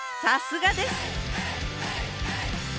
さすがです！